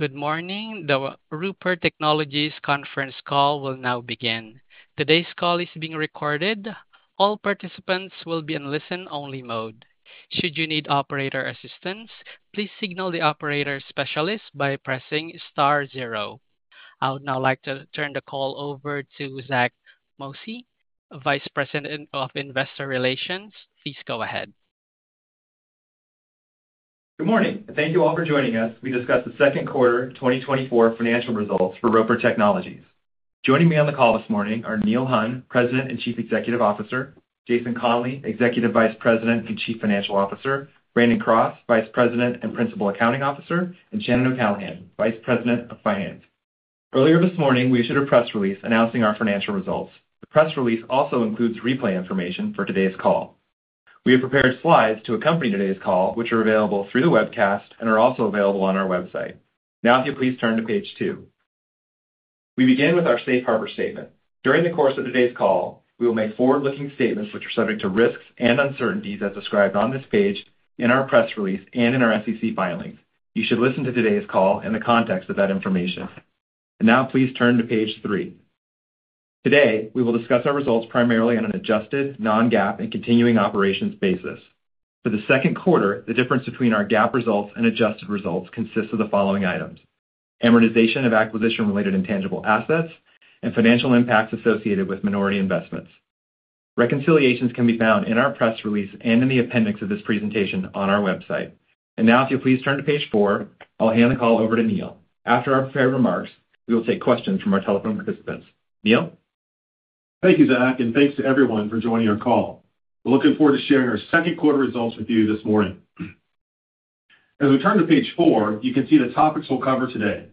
Good morning. The Roper Technologies conference call will now begin. Today's call is being recorded. All participants will be in listen-only mode. Should you need operator assistance, please signal the operator specialist by pressing star zero. I would now like to turn the call over to Zack Moxcey, Vice President of Investor Relations. Please go ahead. Good morning, and thank you all for joining us. We discussed the Q2 2024 financial results for Roper Technologies. Joining me on the call this morning are Neil Hunn, President and Chief Executive Officer; Jason Conley, Executive Vice President and Chief Financial Officer; Brandon Cross, Vice President and Principal Accounting Officer; and Shannon O'Callaghan, Vice President of Finance. Earlier this morning, we issued a press release announcing our financial results. The press release also includes replay information for today's call. We have prepared slides to accompany today's call, which are available through the webcast and are also available on our website. Now, if you please turn to page two. We begin with our safe harbor statement. During the course of today's call, we will make forward-looking statements which are subject to risks and uncertainties as described on this page, in our press release, and in our SEC filings. You should listen to today's call in the context of that information. And now, please turn to page three. Today, we will discuss our results primarily on an adjusted non-GAAP and continuing operations basis. For the Q2, the difference between our GAAP results and adjusted results consists of the following items: amortization of acquisition-related intangible assets and financial impacts associated with minority investments. Reconciliations can be found in our press release and in the appendix of this presentation on our website. And now, if you'll please turn to page four, I'll hand the call over to Neil. After our prepared remarks, we will take questions from our telephone participants. Neil? Thank you, Zack, and thanks to everyone for joining our call. We're looking forward to sharing our Q2 results with you this morning. As we turn to page four, you can see the topics we'll cover today.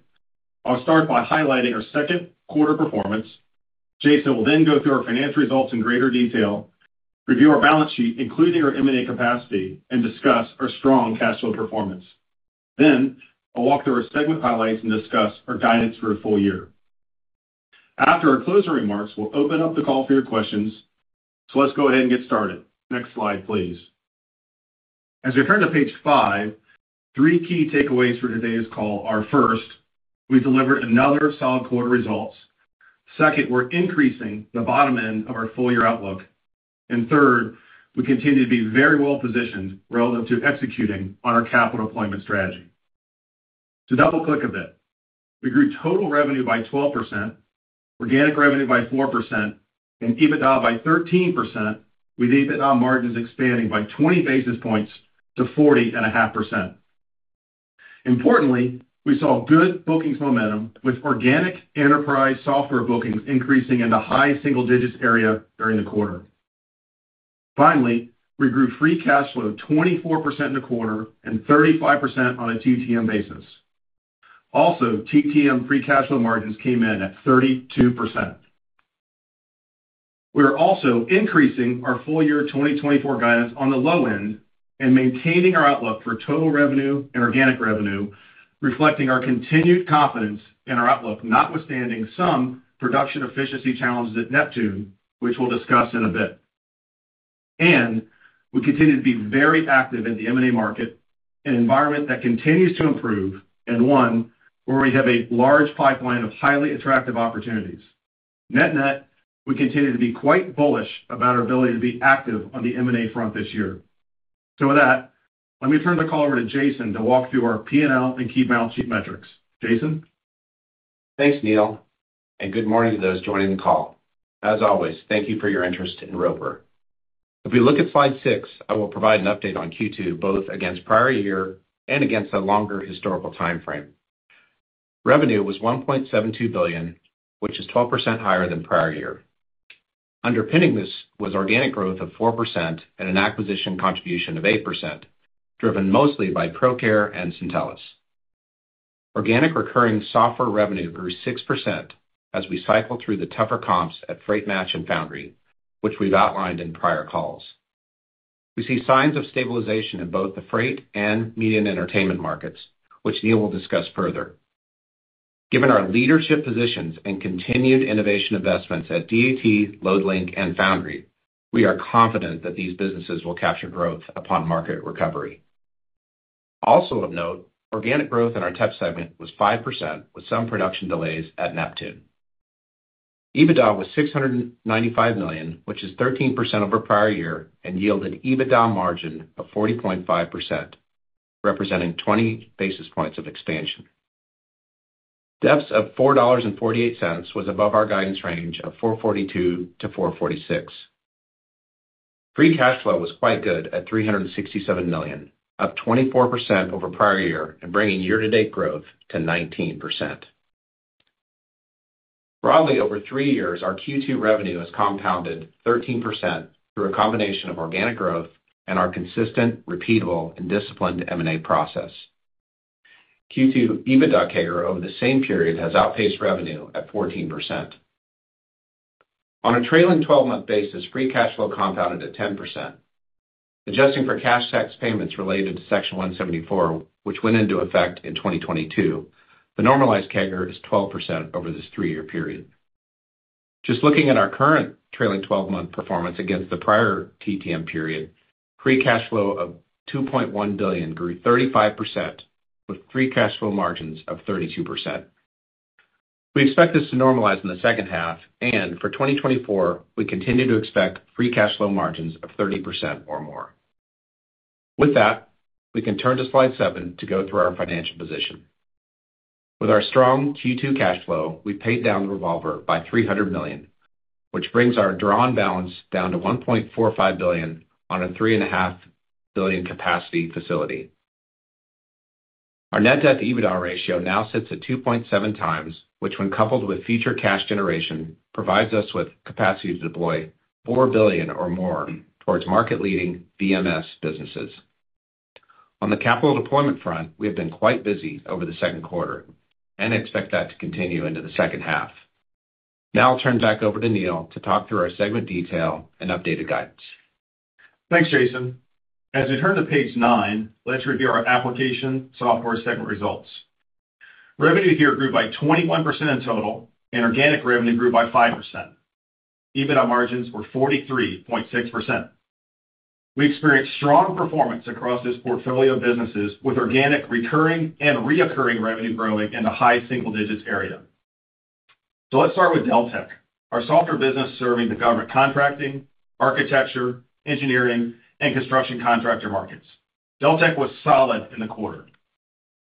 I'll start by highlighting our Q2 performance. Jason will then go through our financial results in greater detail, review our balance sheet, including our M&A capacity, and discuss our strong cash flow performance. Then I'll walk through our segment highlights and discuss our guidance for the full year. After our closing remarks, we'll open up the call for your questions. So let's go ahead and get started. Next slide, please. As we turn to page five, three key takeaways for today's call are, first, we delivered another solid quarter results. Second, we're increasing the bottom end of our full-year outlook. Third, we continue to be very well-positioned relative to executing on our capital deployment strategy. To double-click a bit, we grew total revenue by 12%, organic revenue by 4%, and EBITDA by 13%, with EBITDA margins expanding by 20 basis points to 40.5%. Importantly, we saw good bookings momentum, with organic enterprise software bookings increasing in the high single digits area during the quarter. Finally, we grew free cash flow 24% in the quarter and 35% on a TTM basis. Also, TTM free cash flow margins came in at 32%. We are also increasing our full year 2024 guidance on the low end and maintaining our outlook for total revenue and organic revenue, reflecting our continued confidence in our outlook, notwithstanding some production efficiency challenges at Neptune, which we'll discuss in a bit. We continue to be very active in the M&A market, an environment that continues to improve, and one where we have a large pipeline of highly attractive opportunities. Net-net, we continue to be quite bullish about our ability to be active on the M&A front this year. With that, let me turn the call over to Jason to walk through our P&L and key balance sheet metrics. Jason? Thanks, Neil, and good morning to those joining the call. As always, thank you for your interest in Roper. If we look at slide 6, I will provide an update on Q2, both against prior year and against a longer historical timeframe. Revenue was $1.72 billion, which is 12% higher than prior year. Underpinning this was organic growth of 4% and an acquisition contribution of 8%, driven mostly by Procare and Syntellis. Organic recurring software revenue grew 6% as we cycle through the tougher comps at Freight Match and Foundry, which we've outlined in prior calls. We see signs of stabilization in both the Freight and media and entertainment markets, which Neil will discuss further. Given our leadership positions and continued innovation investments at DAT, Loadlink, and Foundry, we are confident that these businesses will capture growth upon market recovery. Also of note, organic growth in our tech segment was 5%, with some production delays at Neptune. EBITDA was $695 million, which is 13% over prior year and yielded EBITDA margin of 40.5%, representing 20 basis points of expansion. EPS of $4.48 was above our guidance range of $4.42-$4.46. Free cash flow was quite good at $367 million, up 24% over prior year, and bringing year-to-date growth to 19%. Broadly, over three years, our Q2 revenue has compounded 13% through a combination of organic growth and our consistent, repeatable and disciplined M&A process. Q2 EBITDA CAGR over the same period has outpaced revenue at 14%. On a trailing twelve-month basis, free cash flow compounded at 10%. Adjusting for cash tax payments related to Section 174, which went into effect in 2022, the normalized CAGR is 12% over this 3-year period. Just looking at our current trailing 12-month performance against the prior TTM period, Free Cash Flow of $2.1 billion grew 35%, with Free Cash Flow margins of 32%. We expect this to normalize in the H2, and for 2024, we continue to expect Free Cash Flow margins of 30% or more. With that, we can turn to slide 7 to go through our financial position. With our strong Q2 cash flow, we paid down the revolver by $300 million, which brings our drawn balance down to $1.45 billion on a $3.5 billion capacity facility. Our net debt EBITDA ratio now sits at 2.7x, which, when coupled with future cash generation, provides us with capacity to deploy $4 billion or more towards market-leading VMS businesses. On the capital deployment front, we have been quite busy over the Q2 and expect that to continue into the H2. Now I'll turn it back over to Neil to talk through our segment detail and updated guidance. Thanks, Jason. As we turn to page nine, let's review our application software segment results. Revenue here grew by 21% in total, and organic revenue grew by 5%. EBITDA margins were 43.6%. We experienced strong performance across this portfolio of businesses, with organic, recurring, and recurring revenue growing in the high single digits area. So let's start with Deltek, our software business serving the government contracting, architecture, engineering, and construction markets. Deltek was solid in the quarter.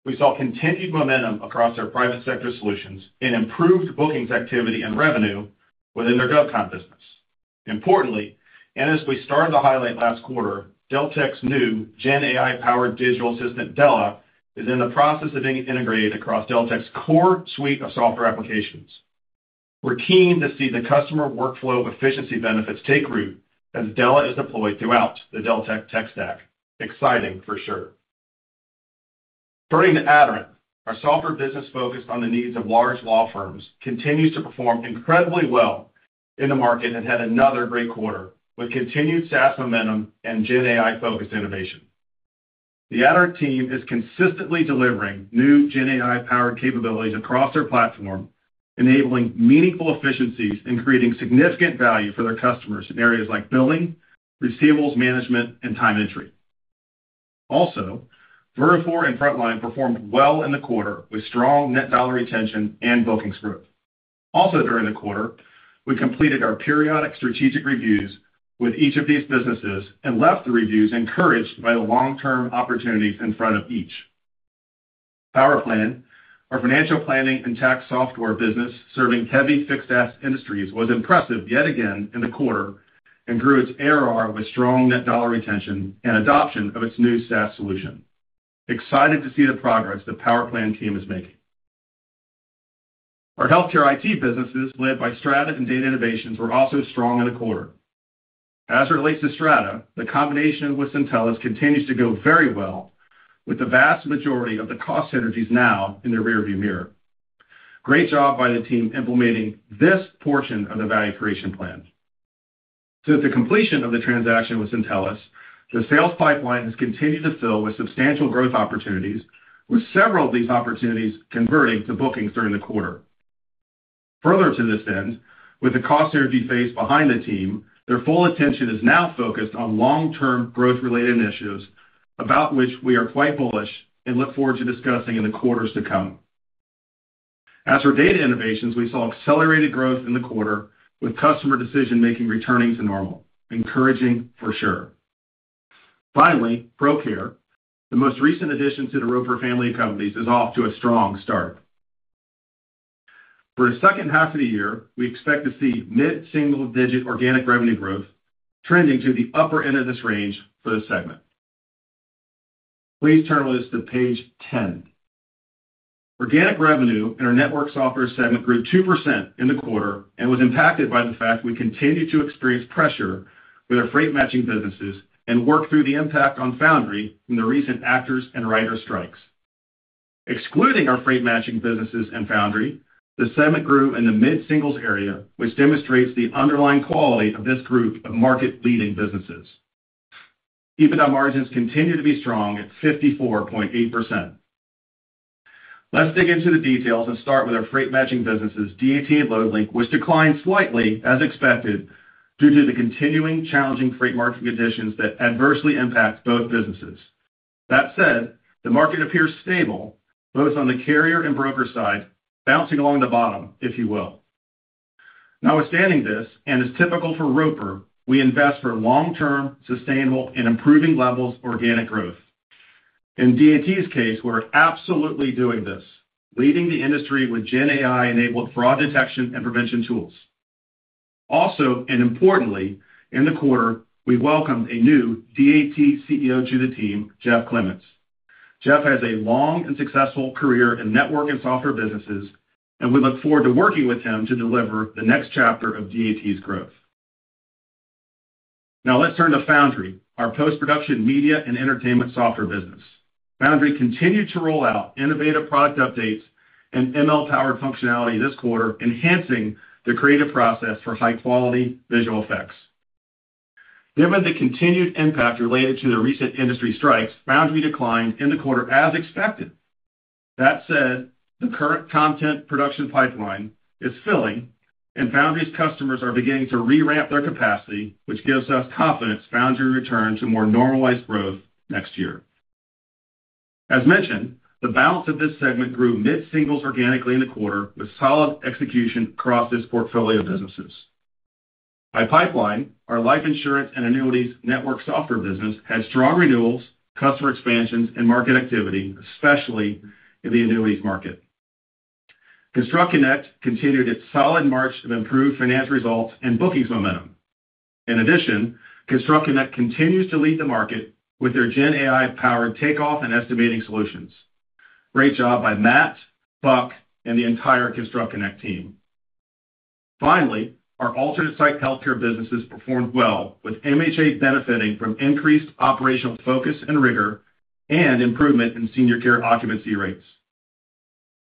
We saw continued momentum across our private sector solutions and improved bookings activity and revenue within their GovCon business. Importantly, and as we started to highlight last quarter, Deltek's new Gen AI-powered digital assistant, Dela, is in the process of being integrated across Deltek's core suite of software applications. We're keen to see the customer workflow efficiency benefits take root as Dela is deployed throughout the Deltek tech stack. Exciting for sure. Turning to Aderant, our software business, focused on the needs of large law firms, continues to perform incredibly well in the market and had another great quarter with continued SaaS momentum and Gen AI-focused innovation. The Aderant team is consistently delivering new Gen AI-powered capabilities across their platform, enabling meaningful efficiencies and creating significant value for their customers in areas like billing, receivables management, and time entry. Also, Vertafore and Frontline performed well in the quarter with strong net dollar retention and bookings growth. Also during the quarter, we completed our periodic strategic reviews with each of these businesses and left the reviews encouraged by the long-term opportunities in front of each. PowerPlan, our financial planning and tax software business, serving heavy fixed asset industries, was impressive yet again in the quarter and grew its ARR with strong net dollar retention and adoption of its new SaaS solution. Excited to see the progress the PowerPlan team is making. Our healthcare IT businesses, led by Strata and Data Innovations, were also strong in the quarter. As it relates to Strata, the combination with Syntellis continues to go very well, with the vast majority of the cost synergies now in the rearview mirror. Great job by the team implementing this portion of the value creation plan. Since the completion of the transaction with Syntellis, the sales pipeline has continued to fill with substantial growth opportunities, with several of these opportunities converting to bookings during the quarter. Further to this end, with the cost synergy phase behind the team, their full attention is now focused on long-term growth-related initiatives, about which we are quite bullish and look forward to discussing in the quarters to come. As for Data Innovations, we saw accelerated growth in the quarter, with customer decision-making returning to normal. Encouraging for sure. Finally, Procare, the most recent addition to the Roper family of companies, is off to a strong start. For the H2 of the year, we expect to see mid-single-digit organic revenue growth trending to the upper end of this range for the segment. Please turn with us to page 10. Organic revenue in our network software segment grew 2% in the quarter and was impacted by the fact we continue to experience pressure with our Freight matching businesses and work through the impact on Foundry from the recent actors and writers strikes. Excluding our Freight-Matching businesses and Foundry, the segment grew in the mid-singles area, which demonstrates the underlying quality of this group of market-leading businesses. EBITDA margins continue to be strong at 54.8%. Let's dig into the details and start with our Freight-Matching businesses, DAT and Loadlink, which declined slightly as expected, due to the continuing challenging Freight market conditions that adversely impact both businesses. That said, the market appears stable, both on the carrier and broker side, bouncing along the bottom, if you will. Notwithstanding this, as is typical for Roper, we invest for long-term, sustainable, and improving levels of organic growth. In DAT's case, we're absolutely doing this, leading the industry with Gen AI-enabled fraud detection and prevention tools. Also, and importantly, in the quarter, we welcomed a new DAT CEO to the team, Jeff Clementz. Jeff has a long and successful career in network and software businesses, and we look forward to working with him to deliver the next chapter of DAT's growth. Now let's turn to Foundry, our post-production, media, and entertainment software business. Foundry continued to roll out innovative product updates and ML-powered functionality this quarter, enhancing the creative process for high-quality visual effects. Given the continued impact related to the recent industry strikes, Foundry declined in the quarter as expected. That said, the current content production pipeline is filling, and Foundry's customers are beginning to re-ramp their capacity, which gives us confidence Foundry will return to more normalized growth next year. As mentioned, the balance of this segment grew mid-singles organically in the quarter, with solid execution across this portfolio of businesses. Ipipeline, our life insurance and annuities network software business had strong renewals, customer expansions, and market activity, especially in the annuities market. ConstructConnect continued its solid march of improved financial results and bookings momentum. In addition, ConstructConnect continues to lead the market with their GenAI-powered takeoff and estimating solutions. Great job by Matt, Buck, and the entire ConstructConnect team. Finally, our alternate site healthcare businesses performed well, with MHA benefiting from increased operational focus and rigor and improvement in senior care occupancy rates.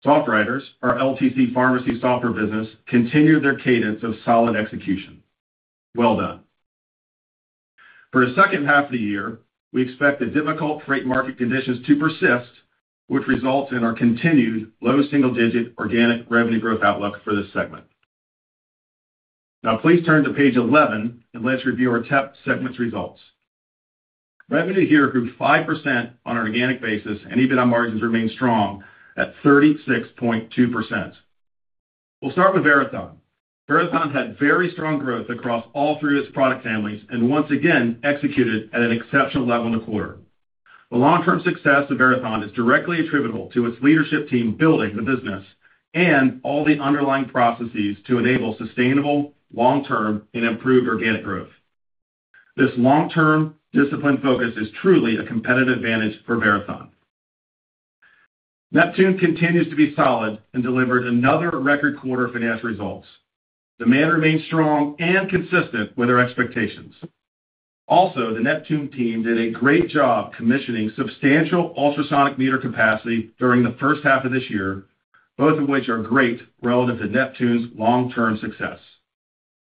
SoftWriters, our LTC pharmacy software business, continued their cadence of solid execution. Well done. For the H2 of the year, we expect the difficult Freight market conditions to persist, which results in our continued low single-digit organic revenue growth outlook for this segment. Now please turn to page 11, and let's review our TEP segment's results. Revenue here grew 5% on an organic basis, and EBITDA margins remained strong at 36.2%. We'll start with Verathon. Verathon had very strong growth across all three of its product families, and once again, executed at an exceptional level in the quarter. The long-term success of Verathon is directly attributable to its leadership team building the business and all the underlying processes to enable sustainable, long-term, and improved organic growth. This long-term disciplined focus is truly a competitive advantage for Verathon. Neptune continues to be solid and delivered another record quarter of financial results. Demand remains strong and consistent with our expectations. Also, the Neptune team did a great job commissioning substantial ultrasonic meter capacity during the H1 of this year, both of which are great relative to Neptune's long-term success.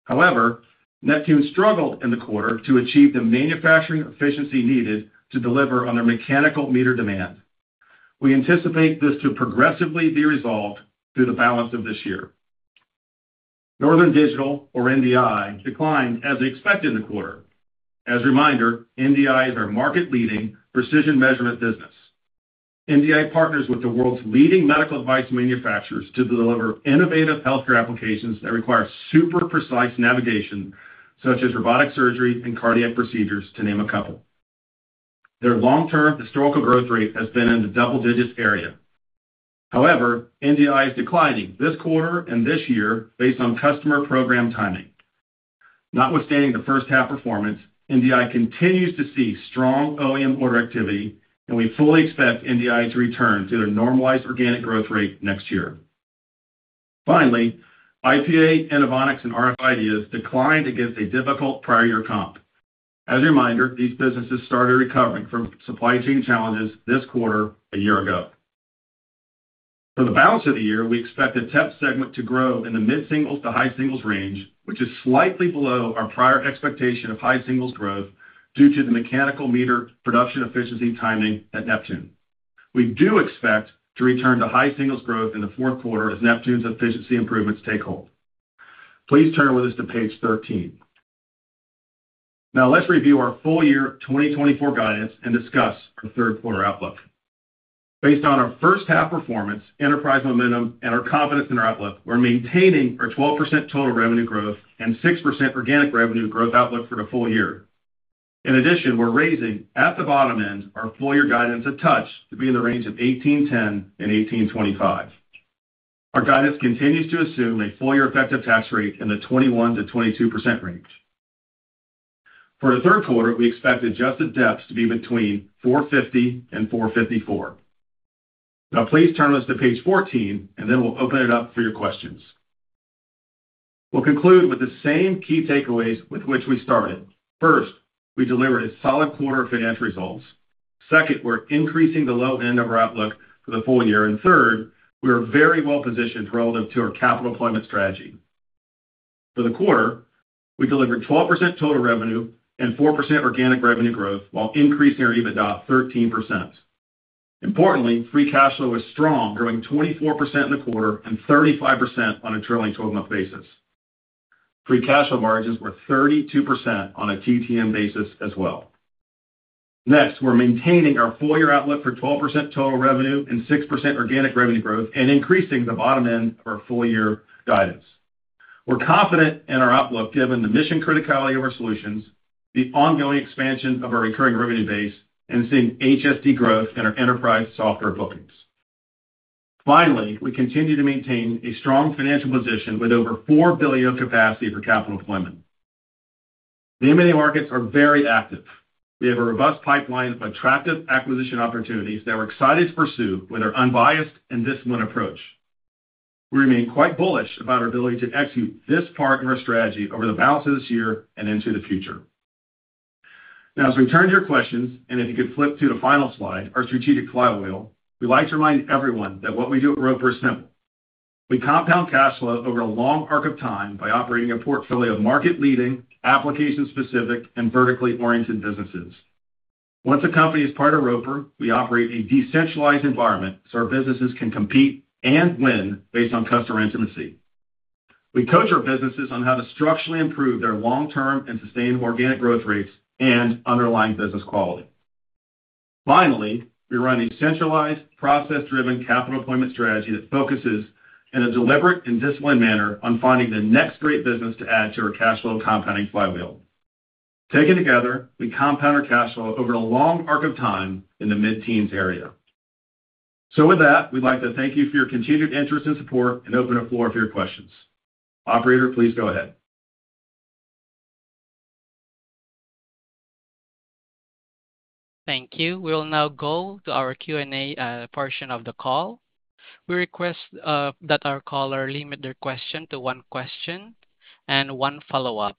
However, Neptune struggled in the quarter to achieve the manufacturing efficiency needed to deliver on their mechanical meter demand. We anticipate this to progressively be resolved through the balance of this year. Northern Digital, or NDI, declined as expected in the quarter. As a reminder, NDI is our market-leading precision measurement business. NDI partners with the world's leading medical device manufacturers to deliver innovative healthcare applications that require super precise navigation, such as robotic surgery and cardiac procedures, to name a couple. Their long-term historical growth rate has been in the double-digit area. However, NDI is declining this quarter and this year based on customer program timing. Notwithstanding the H1 performance, NDI continues to see strong OEM order activity, and we fully expect NDI to return to their normalized organic growth rate next year. Finally, IPA, Inovonics, and rf IDEAS has declined against a difficult prior year comp. As a reminder, these businesses started recovering from supply chain challenges this quarter a year ago. For the balance of the year, we expect the TEP segment to grow in the mid-singles to high singles range, which is slightly below our prior expectation of high singles growth due to the mechanical meter production efficiency timing at Neptune. We do expect to return to high singles growth in the Q4 as Neptune's efficiency improvements take hold. Please turn with us to page 13. Now let's review our full year 2024 guidance and discuss the Q3 outlook. Based on our H1 performance, enterprise momentum, and our confidence in our outlook, we're maintaining our 12% total revenue growth and 6% organic revenue growth outlook for the full year. In addition, we're raising, at the bottom end, our full-year guidance a touch to be in the range of $18.10-$18.25. Our guidance continues to assume a full-year effective tax rate in the 21%-22% range. For the Q3, we expect adjusted EPS to be between $4.50 and $4.54. Now please turn with us to page 14, and then we'll open it up for your questions. We'll conclude with the same key takeaways with which we started. First, we delivered a solid quarter of financial results. Second, we're increasing the low end of our outlook for the full year. And third, we are very well positioned relative to our capital deployment strategy. For the quarter, we delivered 12% total revenue and 4% organic revenue growth while increasing our EBITDA 13%. Importantly, free cash flow is strong, growing 24% in the quarter and 35% on a trailing twelve-month basis. Free cash flow margins were 32% on a TTM basis as well. Next, we're maintaining our full year outlook for 12% total revenue and 6% organic revenue growth and increasing the bottom end of our full year guidance. We're confident in our outlook, given the mission criticality of our solutions, the ongoing expansion of our recurring revenue base, and seeing HSD growth in our enterprise software bookings. Finally, we continue to maintain a strong financial position with over $4 billion capacity for capital deployment. The M&A markets are very active. We have a robust pipeline of attractive acquisition opportunities that we're excited to pursue with our unbiased and disciplined approach. We remain quite bullish about our ability to execute this part in our strategy over the balance of this year and into the future. Now, as we turn to your questions, and if you could flip to the final slide, our strategic flywheel, we'd like to remind everyone that what we do at Roper is simple... We compound cash flow over a long arc of time by operating a portfolio of market-leading, application-specific, and vertically oriented businesses. Once a company is part of Roper, we operate a decentralized environment, so our businesses can compete and win based on customer intimacy. We coach our businesses on how to structurally improve their long-term and sustained organic growth rates and underlying business quality. Finally, we run a centralized, process-driven capital deployment strategy that focuses in a deliberate and disciplined manner on finding the next great business to add to our cash flow compounding flywheel. Taken together, we compound our cash flow over a long arc of time in the mid-teens area. So with that, we'd like to thank you for your continued interest and support and open the floor up for your questions. Operator, please go ahead. Thank you. We'll now go to our Q&A portion of the call. We request that our caller limit their question to one question and one follow-up.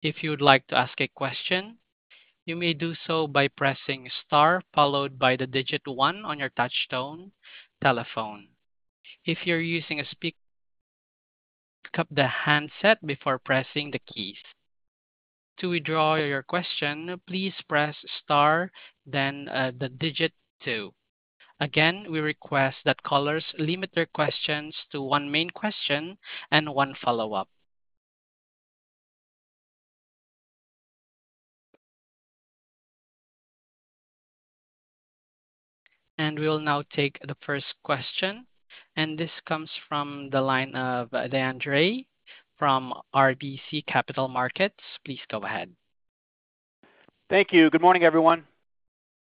If you would like to ask a question, you may do so by pressing star, followed by the digit one on your touchtone telephone. If you're using a speaker, pick up the handset before pressing the keys. To withdraw your question, please press star, then the digit two. Again, we request that callers limit their questions to one main question and one follow-up. We'll now take the first question, and this comes from the line of Deane Dray from RBC Capital Markets. Please go ahead. Thank you. Good morning, everyone.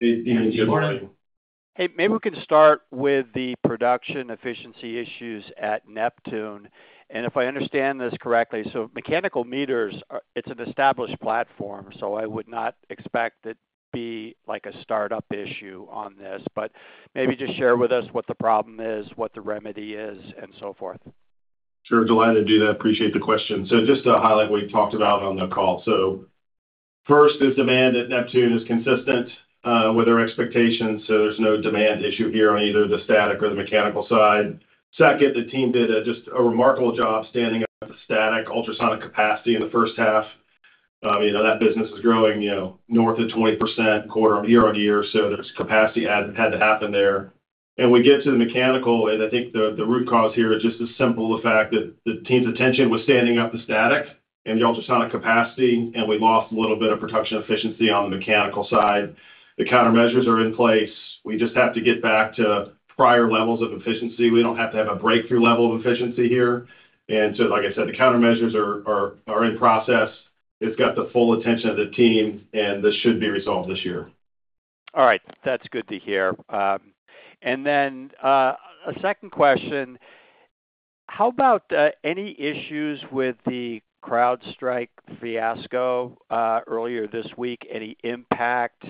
Good morning. Hey, maybe we can start with the production efficiency issues at Neptune. If I understand this correctly, so mechanical meters are, it's an established platform, so I would not expect it to be like a startup issue on this. But maybe just share with us what the problem is, what the remedy is, and so forth. Sure, delighted to do that. Appreciate the question. So just to highlight what we've talked about on the call. So first, this demand at Neptune is consistent with our expectations, so there's no demand issue here on either the static or the mechanical side. Second, the team did a just a remarkable job standing up the static ultrasonic capacity in the H1. You know, that business is growing, you know, north of 20% quarter-over-year, so there's capacity add had to happen there. And we get to the mechanical, and I think the root cause here is just the simple fact that the team's attention was standing up the static and the ultrasonic capacity, and we lost a little bit of production efficiency on the mechanical side. The countermeasures are in place. We just have to get back to prior levels of efficiency. We don't have to have a breakthrough level of efficiency here. And so, like I said, the countermeasures are in process. It's got the full attention of the team, and this should be resolved this year. All right. That's good to hear. And then, a second question: How about, any issues with the CrowdStrike fiasco, earlier this week? Any impact,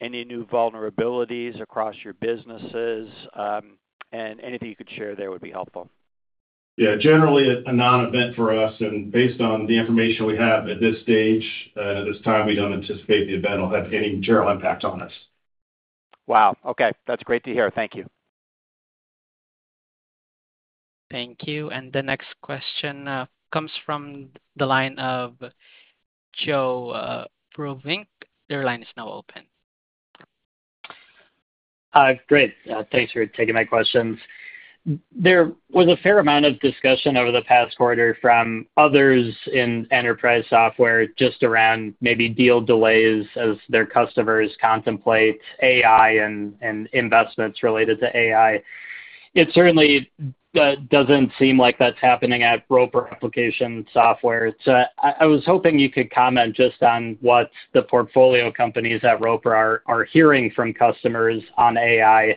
any new vulnerabilities across your businesses? And anything you could share there would be helpful. Yeah, generally a non-event for us, and based on the information we have at this stage, at this time, we don't anticipate the event will have any general impact on us. Wow! Okay. That's great to hear. Thank you. Thank you. And the next question comes from the line of Joe Vruwink. Your line is now open. Hi. Great, thanks for taking my questions. There was a fair amount of discussion over the past quarter from others in enterprise software, just around maybe deal delays as their customers contemplate AI and investments related to AI. It certainly doesn't seem like that's happening at Roper application software. So I was hoping you could comment just on what the portfolio companies at Roper are hearing from customers on AI, and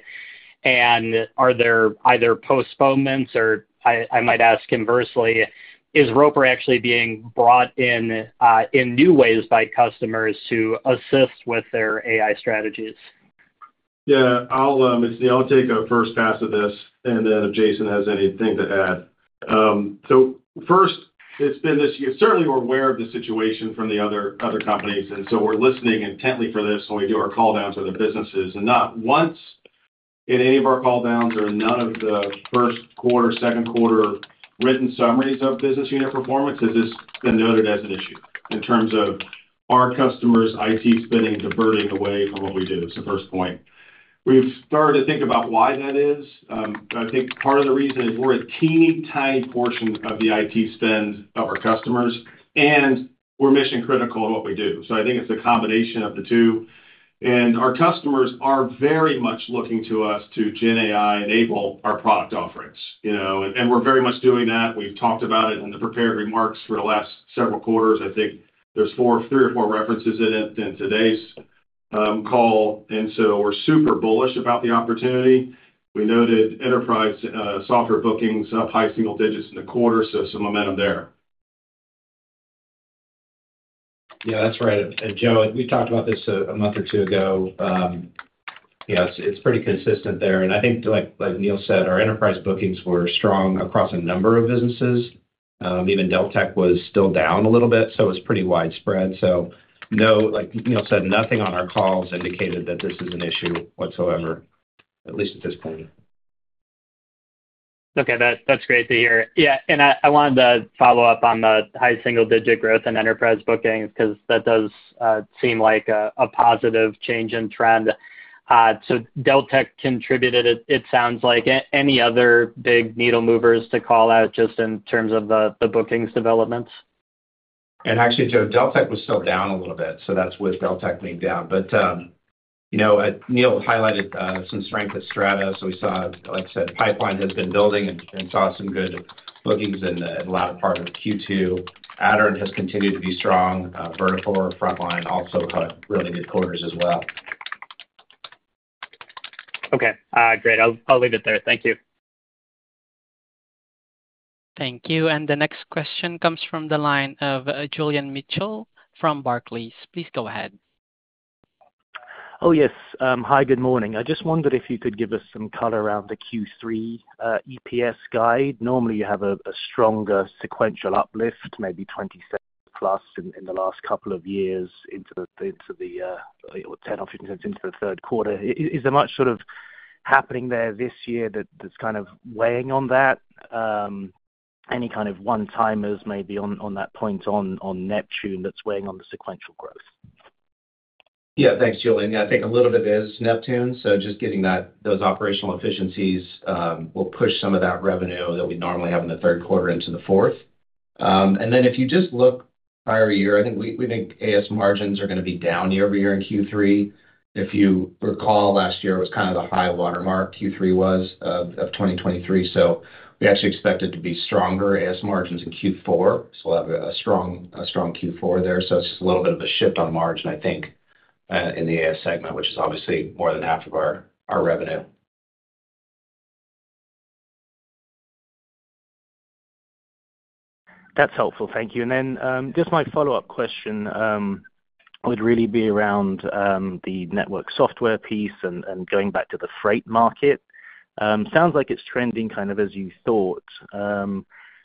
are there either postponements or I might ask conversely, is Roper actually being brought in in new ways by customers to assist with their AI strategies? Yeah, I'll. It's Neil. I'll take a first pass at this, and then if Jason has anything to add. So first, it's been this year. Certainly, we're aware of the situation from the other companies, and so we're listening intently for this when we do our call downs with the businesses. And not once in any of our call downs or none of the Q1, Q2 written summaries of business unit performance, has this been noted as an issue in terms of our customers' IT spending diverting away from what we do. It's the first point. We've started to think about why that is. I think part of the reason is we're a teeny, tiny portion of the IT spend of our customers, and we're mission-critical in what we do. So I think it's a combination of the two. Our customers are very much looking to us to Gen AI enable our product offerings, you know, and we're very much doing that. We've talked about it in the prepared remarks for the last several quarters. I think there's four, three or four references in it in today's call, and so we're super bullish about the opportunity. We noted enterprise software bookings up high single digits in the quarter, so some momentum there. Yeah, that's right. And, Joe, we talked about this a month or two ago. Yes, it's pretty consistent there, and I think, like, like Neil said, our enterprise bookings were strong across a number of businesses.... Even Deltek was still down a little bit, so it was pretty widespread. So no, like Neil said, nothing on our calls indicated that this is an issue whatsoever, at least at this point. Okay, that's great to hear. Yeah, and I wanted to follow up on the high single-digit growth in enterprise bookings, 'cause that does seem like a positive change in trend. So Deltek contributed it, it sounds like. Any other big needle movers to call out just in terms of the bookings developments? Actually, Joe, Deltek was still down a little bit, so that's with Deltek being down. But, you know, as Neil highlighted, some strength at Strata, so we saw, like I said, pipeline has been building and saw some good bookings in the latter part of Q2. Aderant has continued to be strong. Vertafore, Frontline also had really good quarters as well. Okay, great. I'll leave it there. Thank you. Thank you. And the next question comes from the line of Julian Mitchell from Barclays. Please go ahead. Oh, yes. Hi, good morning. I just wondered if you could give us some color around the Q3 EPS guide. Normally, you have a stronger sequential uplift, maybe $0.20+ in the last couple of years into the Q3. Or $0.10 or $0.15 into the Q3. Is there much sort of happening there this year that's kind of weighing on that? Any kind of one-timers maybe on that point on Neptune that's weighing on the sequential growth? Yeah, thanks, Julian. Yeah, I think a little bit is Neptune. So just getting that those operational efficiencies will push some of that revenue that we normally have in the Q3 into the fourth. And then if you just look prior year, I think we think AS margins are gonna be down year-over-year in Q3. If you recall, last year was kind of the high watermark, Q3 was of 2023. So we actually expect it to be stronger AS margins in Q4, so we'll have a strong Q4 there. So it's just a little bit of a shift on margin, I think, in the AS segment, which is obviously more than half of our revenue. That's helpful. Thank you. And then, just my follow-up question, would really be around the network software piece and going back to the Freight market. Sounds like it's trending kind of as you thought.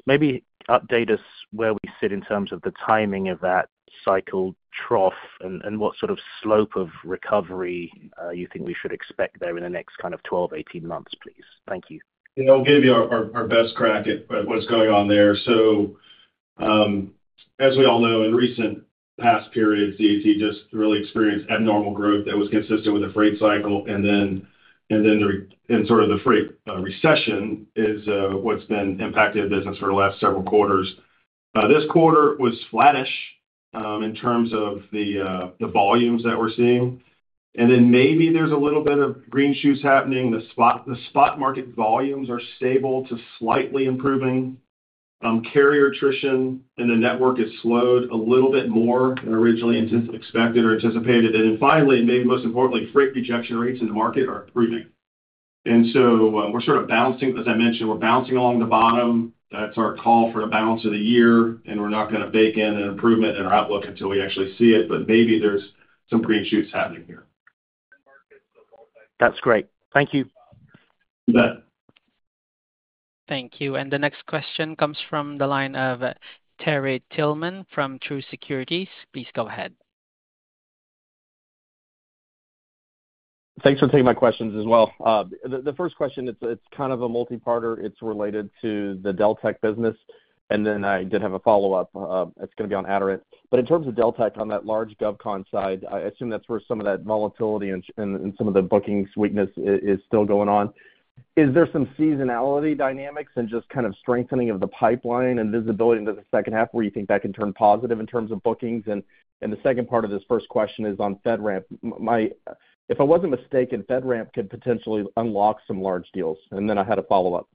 Maybe update us where we sit in terms of the timing of that cycle trough and what sort of slope of recovery you think we should expect there in the next kind of 12, 18 months, please. Thank you. Yeah, I'll give you our best crack at what's going on there. So, as we all know, in recent past periods, DAT just really experienced abnormal growth that was consistent with the Freight cycle, and then and sort of the Freight recession is what's been impacting the business for the last several quarters. This quarter was flattish in terms of the volumes that we're seeing. And then maybe there's a little bit of green shoots happening. The spot market volumes are stable to slightly improving. Carrier attrition in the network has slowed a little bit more than originally expected or anticipated. And then finally, and maybe most importantly, Freight rejection rates in the market are improving. And so, we're sort of bouncing, as I mentioned, we're bouncing along the bottom. That's our call for the balance of the year, and we're not gonna bake in an improvement in our outlook until we actually see it, but maybe there's some green shoots happening here. That's great. Thank you. You bet. Thank you. And the next question comes from the line of Terry Tillman from Truist Securities. Please go ahead. Thanks for taking my questions as well. The first question, it's kind of a multi-parter. It's related to the Deltek business, and then I did have a follow-up, it's gonna be on Aderant. But in terms of Deltek, on that large GovCon side, I assume that's where some of that volatility and some of the bookings weakness is still going on. Is there some seasonality dynamics and just kind of strengthening of the pipeline and visibility into the H2, where you think that can turn positive in terms of bookings? And the second part of this first question is on FedRAMP. My, if I wasn't mistaken, FedRAMP could potentially unlock some large deals, and then I had a follow-up.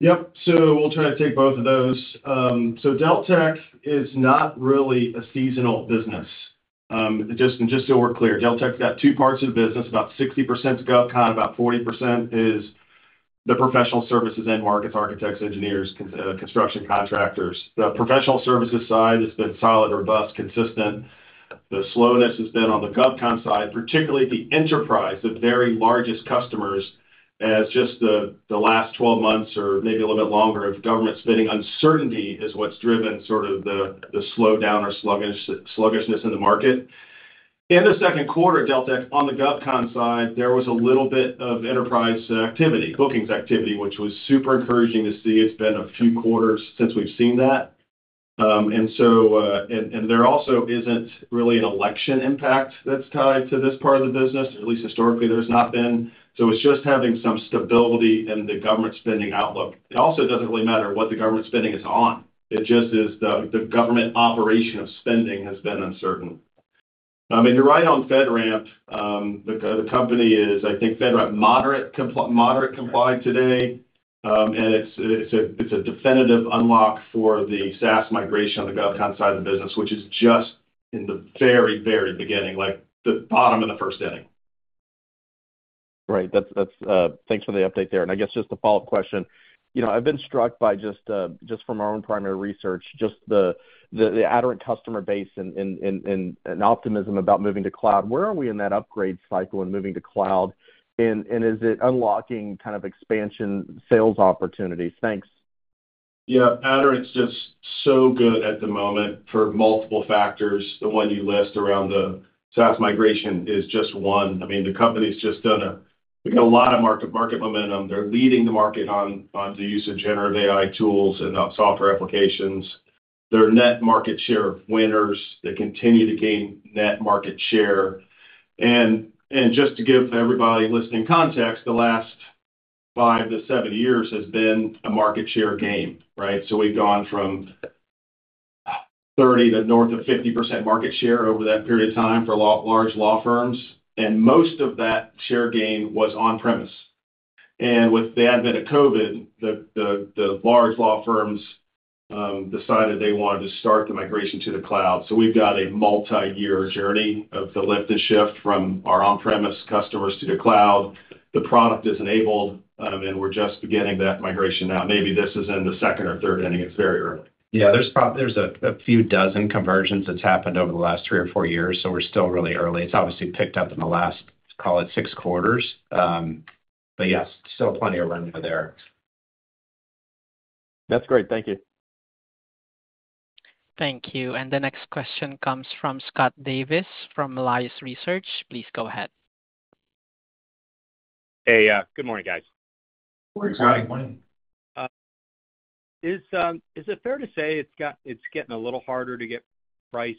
Yep. So we'll try to take both of those. So Deltek is not really a seasonal business. Just, just so we're clear, Deltek's got two parts of the business, about 60% GovCon, about 40% is the professional services, end markets, architects, engineers, construction contractors. The professional services side has been solid, robust, consistent. The slowness has been on the GovCon side, particularly the enterprise, the very largest customers, as just the, the last 12 months or maybe a little bit longer of government spending, uncertainty is what's driven sort of the, the slowdown or sluggish, sluggishness in the market. In the Q2 at Deltek, on the GovCon side, there was a little bit of enterprise activity, bookings activity, which was super encouraging to see. It's been a few quarters since we've seen that. And so... There also isn't really an election impact that's tied to this part of the business, at least historically, there's not been. So it's just having some stability in the government spending outlook. It also doesn't really matter what the government spending is on, it just is the government operation of spending has been uncertain. I mean, you're right on FedRAMP. The company is, I think, FedRAMP moderate compliant today. And it's a definitive unlock for the SaaS migration on the GovCon side of the business, which is just in the very, very beginning, like the bottom of the first inning. Right. That's... Thanks for the update there. And I guess just a follow-up question: You know, I've been struck by just, just from our own primary research, just the Aderant customer base and optimism about moving to cloud. Where are we in that upgrade cycle and moving to cloud? And is it unlocking kind of expansion sales opportunities? Thanks.... Yeah, Aderant, it's just so good at the moment for multiple factors. The one you list around the SaaS migration is just one. I mean, the company's just done a, they've got a lot of market momentum. They're leading the market on the use of generative AI tools and on software applications. They're net market share winners. They continue to gain net market share. And just to give everybody listening context, the last five to seven years has been a market share game, right? So we've gone from 30 to north of 50% market share over that period of time for large law firms, and most of that share gain was on premise. And with the advent of COVID, the large law firms decided they wanted to start the migration to the cloud. So we've got a multi-year journey of the lift and shift from our on-premise customers to the cloud. The product is enabled, and we're just beginning that migration now. Maybe this is in the second or third inning. It's very early. Yeah, there's a few dozen conversions that's happened over the last three or four years, so we're still really early. It's obviously picked up in the last, call it, six quarters. But yes, still plenty of room for there. That's great. Thank you. Thank you. And the next question comes from Scott Davis, from Melius Research. Please go ahead. Hey, good morning, guys. Good morning. Good morning. Is it fair to say it's getting a little harder to get price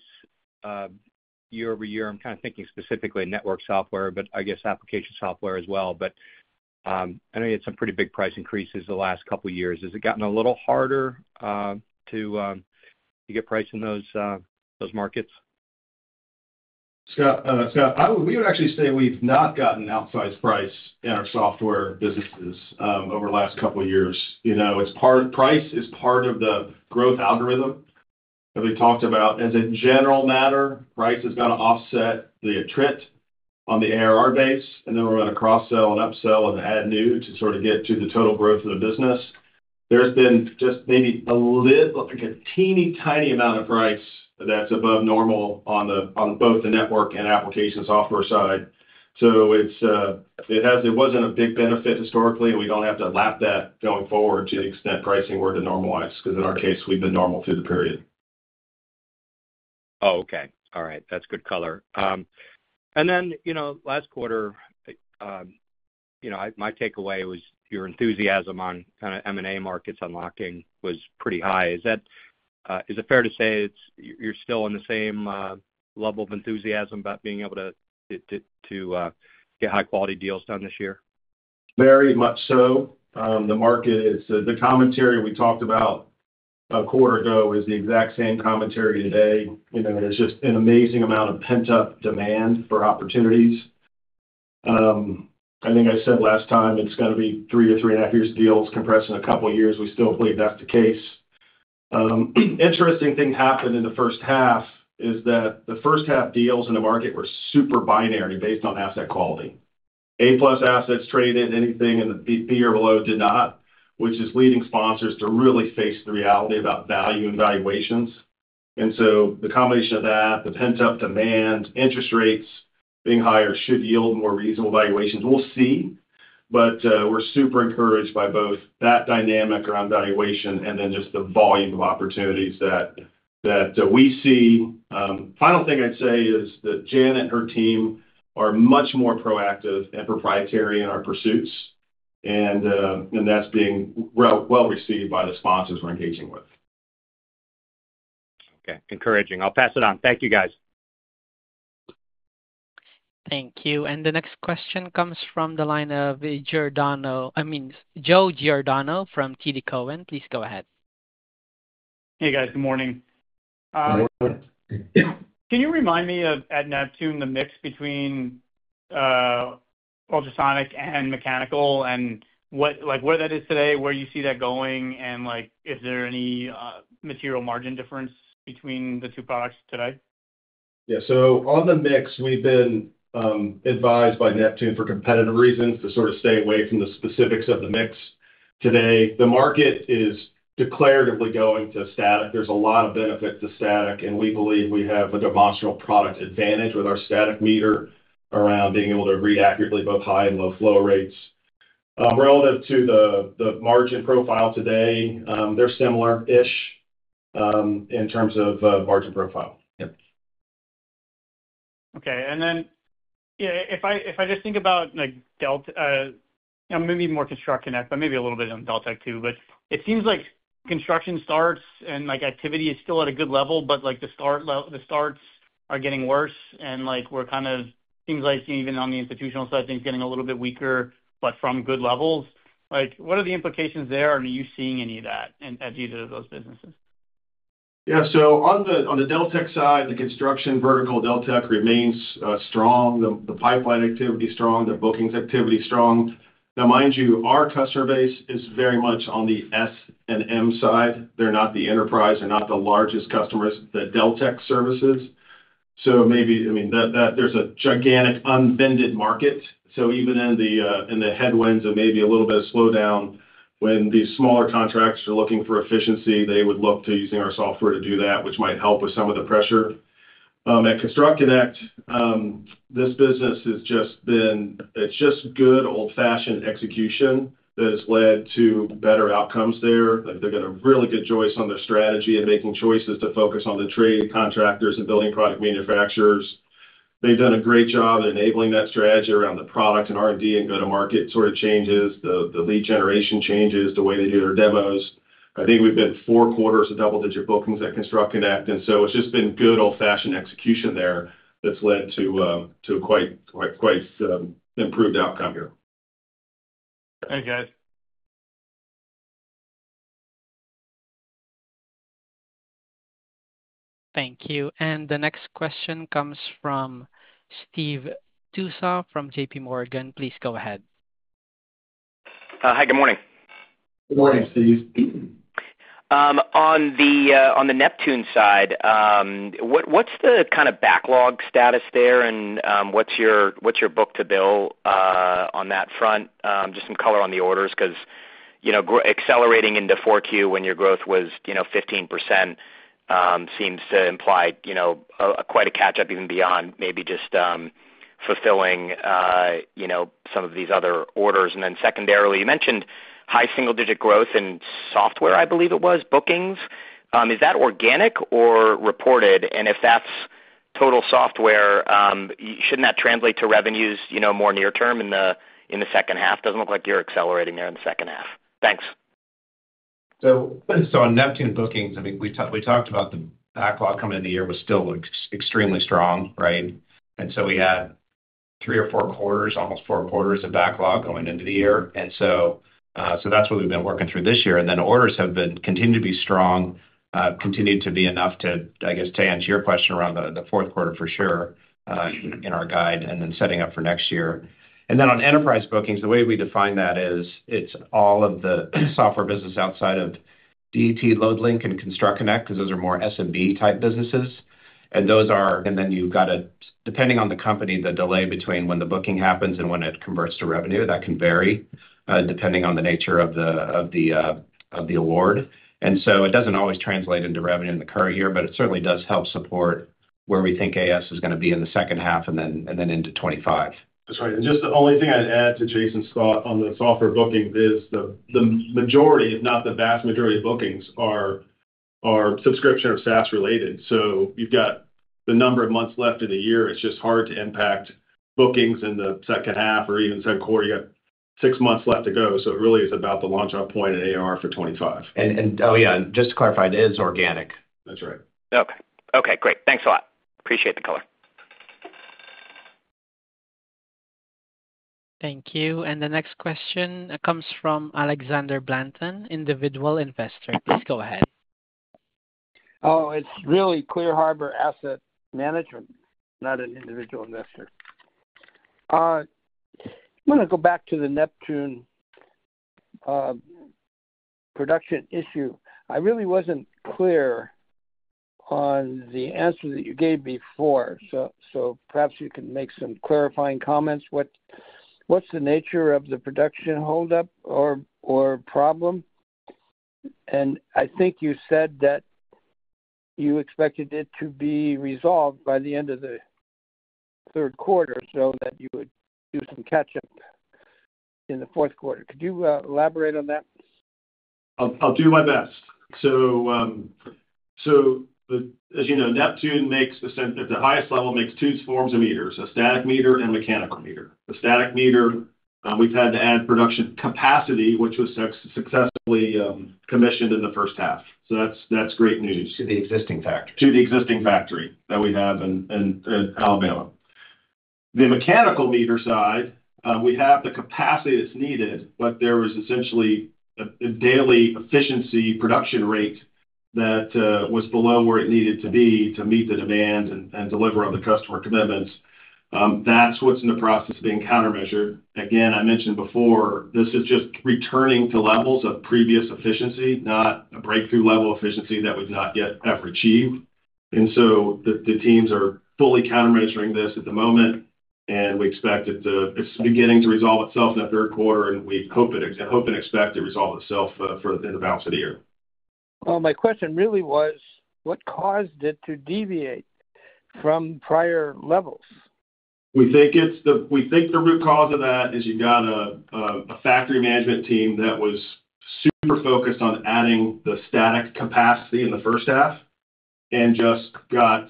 year over year? I'm kind of thinking specifically network software, but I guess application software as well. But I know you had some pretty big price increases the last couple of years. Has it gotten a little harder to get price in those markets? Scott, we would actually say we've not gotten outsized price in our software businesses over the last couple of years. You know, price is part of the growth algorithm that we talked about. As a general matter, price is gonna offset the attrit on the ARR base, and then we're gonna cross-sell and upsell and add new to sort of get to the total growth of the business. There's been just maybe a little, like a teeny-tiny amount of price that's above normal on both the network and application software side. So it wasn't a big benefit historically, and we don't have to lap that going forward to the extent pricing were to normalize, 'cause in our case, we've been normal through the period. Oh, okay. All right. That's good color. And then, you know, last quarter, you know, my takeaway was your enthusiasm on kind of M&A markets unlocking was pretty high. Is that fair to say it's, you're still in the same level of enthusiasm about being able to, to get high-quality deals done this year? Very much so. The market is, the commentary we talked about a quarter ago is the exact same commentary today. You know, there's just an amazing amount of pent-up demand for opportunities. I think I said last time, it's gonna be 3-3.5 years of deals compressed in a couple of years. We still believe that's the case. Interesting thing happened in the H1, is that the H1 deals in the market were super binary based on asset quality. A-plus assets traded, anything in the B, B or below did not, which is leading sponsors to really face the reality about value and valuations. And so the combination of that, the pent-up demand, interest rates being higher, should yield more reasonable valuations. We'll see, but, we're super encouraged by both that dynamic around valuation and then just the volume of opportunities that we see. Final thing I'd say is that Jan and her team are much more proactive and proprietary in our pursuits, and that's being well, well received by the sponsors we're engaging with. Okay, encouraging. I'll pass it on. Thank you, guys. Thank you. The next question comes from the line of Giordano... I mean, Joe Giordano from TD Cowen. Please go ahead. Hey, guys, good morning. Good morning. Good morning. Can you remind me of, at Neptune, the mix between ultrasonic and mechanical and what, like, where that is today, where you see that going, and, like, is there any material margin difference between the two products today? Yeah. So on the mix, we've been advised by Neptune, for competitive reasons, to sort of stay away from the specifics of the mix. Today, the market is declaratively going to static. There's a lot of benefit to static, and we believe we have a demonstrable product advantage with our static meter around being able to read accurately, both high and low flow rates. Relative to the margin profile today, they're similar-ish, in terms of margin profile. Yep. Okay, and then, yeah, if I, if I just think about, like, Deltek, maybe more Construct Connect, but maybe a little bit on Deltek, too, but it seems like construction starts and, like, activity is still at a good level, but, like, the starts are getting worse, and, like, we're kind of, things like even on the institutional side of things, getting a little bit weaker, but from good levels. Like, what are the implications there, and are you seeing any of that in, at either of those businesses? Yeah, so on the Deltek side, the construction vertical, Deltek remains strong. The pipeline activity is strong, the bookings activity is strong. Now, mind you, our customer base is very much on the SMB side. They're not the enterprise, they're not the largest customers that Deltek serves. So maybe, I mean, that there's a gigantic unpenetrated market. So even in the headwinds of maybe a little bit of slowdown, when these smaller contracts are looking for efficiency, they would look to using our software to do that, which might help with some of the pressure.... at ConstructConnect, this business has just been—it's just good old-fashioned execution that has led to better outcomes there. They've got a really good choice on their strategy and making choices to focus on the trade contractors and building product manufacturers. They've done a great job enabling that strategy around the product and R&D and go-to-market sort of changes, the lead generation changes, the way they do their demos. I think we've been four quarters of double-digit bookings at ConstructConnect, and so it's just been good old-fashioned execution there that's led to a quite improved outcome here. Thanks, guys. Thank you. And the next question comes from Steve Tusa from JPMorgan. Please go ahead. Hi, good morning. Good morning, Steve. On the Neptune side, what's the kind of backlog status there? And what's your book to bill on that front? Just some color on the orders, 'cause, you know, accelerating into 4Q when your growth was, you know, 15%, seems to imply, you know, quite a catch-up, even beyond maybe just fulfilling, you know, some of these other orders. And then secondarily, you mentioned high single-digit growth in software, I believe it was, bookings. Is that organic or reported? And if that's total software, shouldn't that translate to revenues, you know, more near term in the H2? Doesn't look like you're accelerating there in the H2. Thanks. So on Neptune bookings, I mean, we talked about the backlog coming into the year was still extremely strong, right? And so we had three or four quarters, almost four quarters of backlog going into the year. And so that's what we've been working through this year, and then orders have continued to be strong, continued to be enough to, I guess, to answer your question around the fourth quarter, for sure, in our guide, and then setting up for next year. And then on enterprise bookings, the way we define that is, it's all of the software business outside of DAT, Loadlink, and ConstructConnect, 'cause those are more SMB type businesses. And those are... And then you've got a, depending on the company, the delay between when the booking happens and when it converts to revenue, that can vary, depending on the nature of the award. And so it doesn't always translate into revenue in the current year, but it certainly does help support where we think AS is gonna be in the H2 and then into 2025. That's right. And just the only thing I'd add to Jason's thought on the software booking is the majority, if not the vast majority of bookings, are subscription or SaaS related. So you've got the number of months left in the year, it's just hard to impact bookings in the H2 or even Q2. You got six months left to go, so it really is about the launch off point and AR for 25. Oh, yeah, just to clarify, it is organic. That's right. Okay. Okay, great. Thanks a lot. Appreciate the color. Thank you. The next question comes from Alexander Blanton, individual investor. Please go ahead. Oh, it's really Clear Harbor Asset Management, not an individual investor. I'm gonna go back to the Neptune production issue. I really wasn't clear on the answer that you gave before, so, so perhaps you can make some clarifying comments. What, what's the nature of the production hold up or, or problem? And I think you said that you expected it to be resolved by the end of the Q3, so that you would do some catch-up in the Q4. Could you elaborate on that? I'll, I'll do my best. So, so as you know, Neptune makes the sensors... at the highest level, makes two forms of meters, a static meter and mechanical meter. The static meter, we've had to add production capacity, which was successfully commissioned in the H1. So that's, that's great news. To the existing factory. To the existing factory that we have in Alabama. The mechanical meter side, we have the capacity that's needed, but there was essentially a daily efficiency production rate that was below where it needed to be to meet the demand and deliver on the customer commitments. That's what's in the process of being counter-measured. Again, I mentioned before, this is just returning to levels of previous efficiency, not a breakthrough level efficiency that we've not yet ever achieved. And so the teams are fully counter-measuring this at the moment, and we expect it to—it's beginning to resolve itself in the Q3, and we hope and expect it to resolve itself, for the balance of the year. Well, my question really was, what caused it to deviate from prior levels? We think the root cause of that is you got a factory management team that was super focused on adding the static capacity in the H1 and just got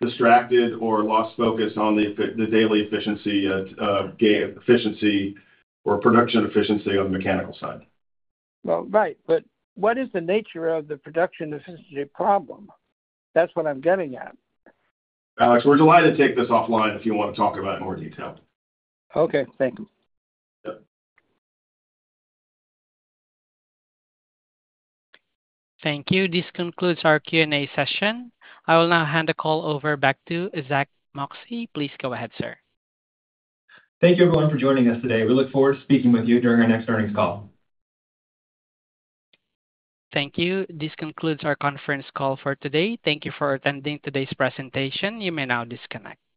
distracted or lost focus on the daily efficiency or production efficiency on the mechanical side. Well, right, but what is the nature of the production efficiency problem? That's what I'm getting at. Alex, we're delighted to take this offline if you want to talk about it in more detail. Okay, thank you. Yep. Thank you. This concludes our Q&A session. I will now hand the call over back to Zack Moxcey. Please go ahead, sir. Thank you everyone for joining us today. We look forward to speaking with you during our next earnings call. Thank you. This concludes our conference call for today. Thank you for attending today's presentation. You may now disconnect.